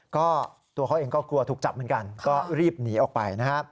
ก็ตัวเขาเองก็กลัวถูกจับเหมือนกันก็รีบหนีออกไปนะฮะ